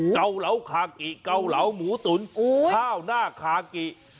เกาเหลาคากิเกาเหลาหมูตุ๋นข้าวหน้าคากิ